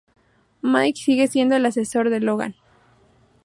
Mike sigue siendo el asesor de Logan.